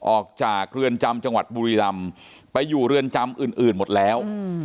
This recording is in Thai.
ออกจากเรือนจำจังหวัดบุรีรำไปอยู่เรือนจำอื่นหมดแล้ว